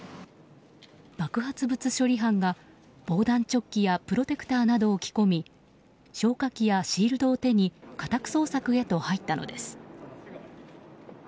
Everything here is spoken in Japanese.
爆発物処理班が防弾チョッキやプロテクターなどを着込み消火器やシールドを手に家宅捜索へと入ったのです。